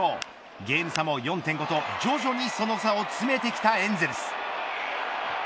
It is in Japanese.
ゲーム差も４．５と徐々にその差を詰めてきたエンゼルス。